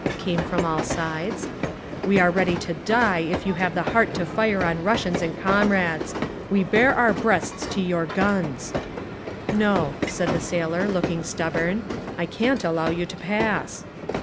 came from all sides. "We are ready to die, if you have the heart to fire on Russians and comrades! We bare our breasts to your guns!" "No," said the sailor, looking stubborn, "I can't allow you to pass."